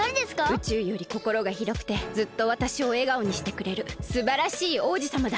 宇宙よりこころがひろくてずっとわたしをえがおにしてくれるすばらしい王子さまだ。